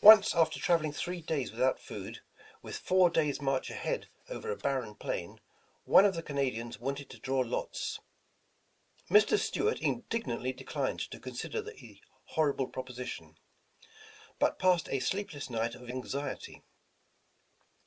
Once, after traveling three days without food, with four days' march ahead over a barren plain, one of the Canadians wanted to draw lots. Mr. Stuart indignantly declined to consider the horrible proposition, but passed a sleefjless night of anxiety.